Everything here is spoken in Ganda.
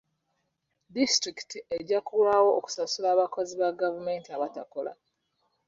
Disitulikiti ejja kulwawo okusasula abakozi ba gavumenti abatakola.